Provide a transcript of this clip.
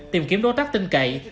tìm kiếm đối tác tinh cậy